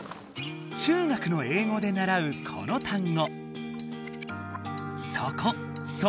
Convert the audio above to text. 中学の英語でならうこの単語。